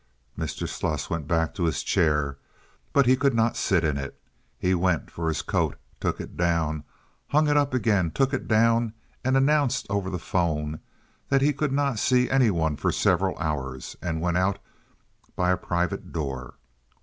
Mr. Sluss went back to his chair, but he could not sit in it. He went for his coat, took it down, hung it up again, took it down, announced over the 'phone that he could not see any one for several hours, and went out by a private door.